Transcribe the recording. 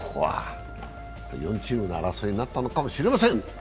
４チームの争いになったのかもしれません。